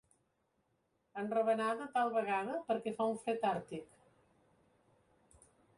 Enravenada, tal vegada perquè fa un fred àrtic.